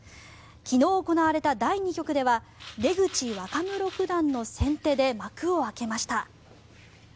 昨日行われた第２局では出口若武六段の先手で幕を開けました。